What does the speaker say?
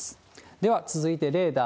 では、続いてレーダー。